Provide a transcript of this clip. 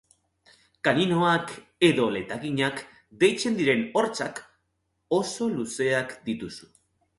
Kaninoak edo letaginak deitzen diren hortzak oso luzeak dituzu.